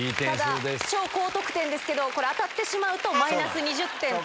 超高得点ですけど、これ、当たってしまうとマイナス２０点と。